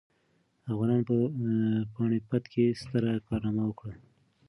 افغانانو په پاني پت کې ستره کارنامه وکړه.